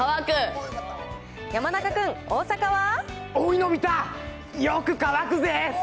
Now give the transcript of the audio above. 山中君、大阪は？